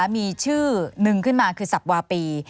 มีชื่อนึงขึ้นมาคือสับวาปี